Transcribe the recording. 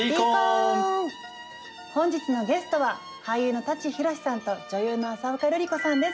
本日のゲストは俳優の舘ひろしさんと女優の浅丘ルリ子さんです。